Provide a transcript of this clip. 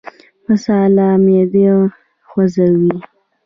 مساله معده ځوروي